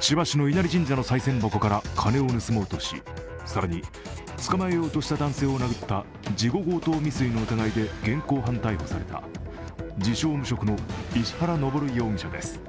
千葉市の稲荷神社のさい銭箱から金を盗もうとし、更に、捕まえようとした男性を殴った事後強盗未遂の疑いで現行犯逮捕された自称・無職の石原登容疑者です。